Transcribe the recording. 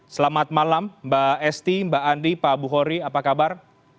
selamat malam mbak esti mbak andi pak buhori apa kabar